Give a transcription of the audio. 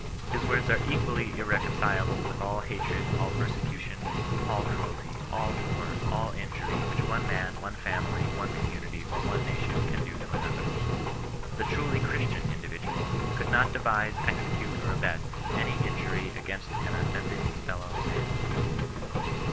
His words are equally irre concilable with all hatred, all persecution, all cruelty, all war, all injury which one man, one family, one com munity, or one nation, can do to another. T)ie truly Christian individual could not devise, execute, or abet any injury against an offending fellow man.